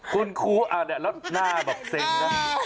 คุณครูอ่ะเนี่ยแล้วหน้าแบบเซ็งนะ